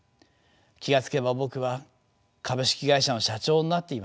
気が付けば僕は株式会社の社長になっていました。